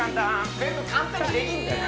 全部簡単にできんだよ